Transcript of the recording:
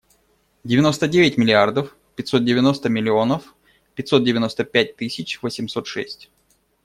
Девяносто девять миллиардов пятьсот девяносто миллионов пятьсот девяносто пять тысяч восемьсот шесть.